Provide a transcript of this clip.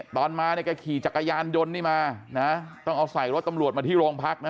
ตอนมาก็ขี่จักรยานยนต์มาต้องเอาใส่รถตำรวจมาที่โรงพัก